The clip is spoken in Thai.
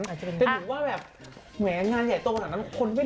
แต่หนูว่าแบบงานใหญ่ตรงตรงนั้นคนไม่รู้ได้ใครอะ